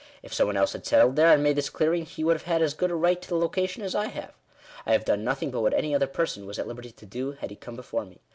If some one else had settled here, and made this clearing, he wonld have had as good a right to the location as I have. I have done nothing but what any other person was at liberty to do had he come before me.